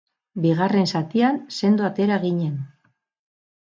Bigarren zatian, sendo atera ginen.